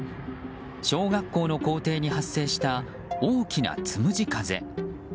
小学校の校庭に発生した大きなつむじ風。